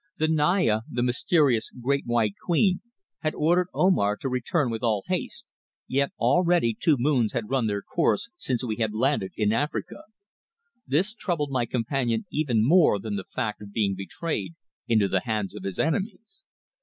The Naya, the mysterious Great White Queen, had ordered Omar to return with all haste, yet already two moons had run their course since we had landed in Africa. This troubled my companion even more than the fact of being betrayed into the hands of his enemies.